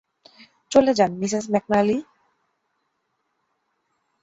চলে যান, Mrs McNally.